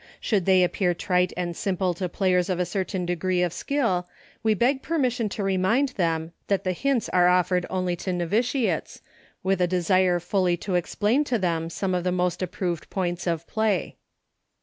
Should they appear trite and simple to players of a cer tain degree of skill, we beg permission to remind them that the hints are offered only to novitiates, with a desire fully to explain to them some of the most approved points of play.